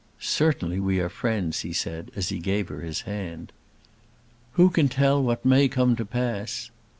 "Certainly we are friends," he said, as he gave her his hand. "Who can tell what may come to pass?"